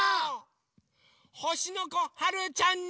ほしのこはるちゃんに。